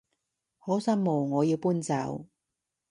好失望我要搬走